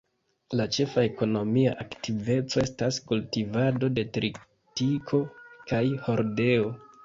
La ĉefa ekonomia aktiveco estas kultivado de tritiko kaj hordeo.